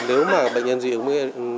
nếu mà bệnh nhân dị ứng